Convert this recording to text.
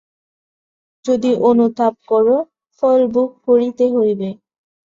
যদি অনুতাপ কর, ফল ভোগ করিতে হইবে।